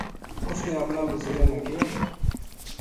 اُس نے اپنا وزیراں نا کہیو